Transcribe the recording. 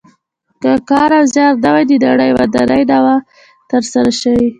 که کار او زیار نه وای د نړۍ ودانۍ نه وه تر سره شوې.